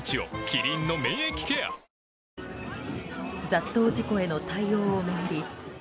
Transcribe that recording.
雑踏事故への対応を巡り